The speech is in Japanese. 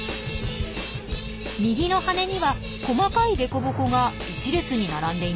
右の翅には細かい凸凹が一列に並んでいます。